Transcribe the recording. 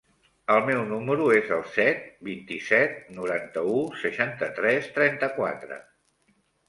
El meu número es el set, vint-i-set, noranta-u, seixanta-tres, trenta-quatre.